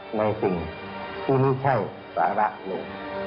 ก็คือสิ่งที่ไม่ใช่ภาระหนู